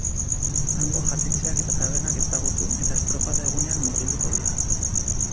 Hango jatetxeak eta tabernak ezagutu, eta estropada egunean murgilduko dira.